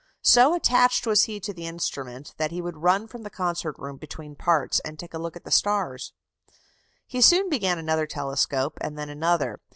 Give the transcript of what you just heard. So attached was he to the instrument that he would run from the concert room between the parts, and take a look at the stars. He soon began another telescope, and then another.